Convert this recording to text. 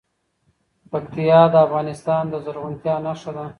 پکتیا د افغانستان د زرغونتیا نښه ده.